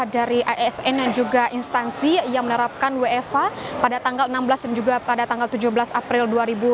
dari asn dan juga instansi yang menerapkan wfh pada tanggal enam belas dan juga pada tanggal tujuh belas april dua ribu dua puluh